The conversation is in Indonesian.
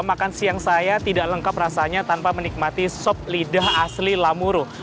makan siang saya tidak lengkap rasanya tanpa menikmati sop lidah asli lamuru